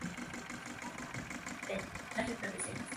Se usa para describir la serie.